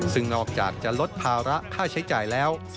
ซึ่งนอกจากจะลดภาระค่าใช้จ่ายแล้ว